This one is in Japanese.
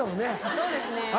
そうですねもう。